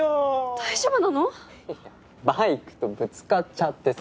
大丈夫なの⁉バイクとぶつかっちゃってさ。